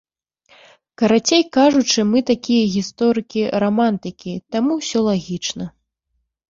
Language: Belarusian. Карацей кажучы, мы такія гісторыкі-рамантыкі, таму ўсё лагічна.